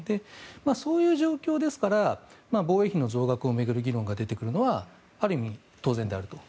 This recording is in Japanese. そういう状況ですから防衛費の増額の議論が出てくるのはある意味当然であると。